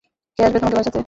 কে আসবে তোমাকে বাঁচাতে?